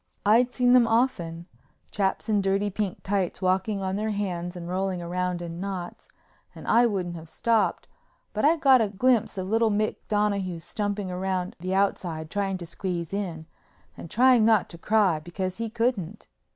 I'd seen them often—chaps in dirty pink tights walking on their hands and rolling round in knots—and I wouldn't have stopped but I got a glimpse of little Mick Donahue stumping round the outside trying to squeeze in and trying not to cry because he couldn't.